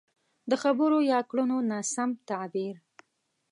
د خبرو يا کړنو ناسم تعبير.